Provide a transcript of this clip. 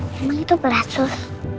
emang itu berat sus